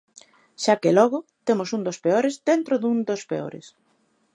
Xa que logo, temos un dos peores dentro dun dos peores.